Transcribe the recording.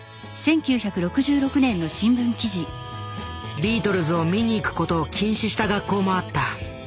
ビートルズを見にいく事を禁止した学校もあった。